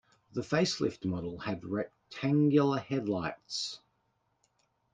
The facelift model had rectangular headlights.